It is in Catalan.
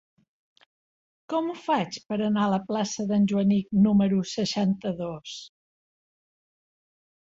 Com ho faig per anar a la plaça d'en Joanic número seixanta-dos?